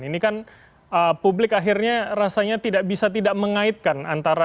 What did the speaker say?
ini kan publik akhirnya rasanya tidak bisa tidak mengaitkan antara